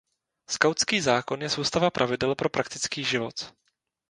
Skautský zákon je soustava pravidel pro praktický život.